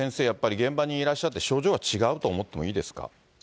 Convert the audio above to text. やっぱり、現場にいらっしゃって、症状は違うと思ってもいいですか。